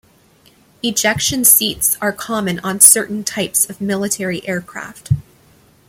Ejection seats are common on certain types of military aircraft.